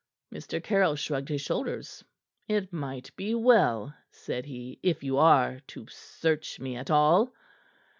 Mr. Caryll shrugged his shoulders. "It might be well," said he, "if you are to search me at all."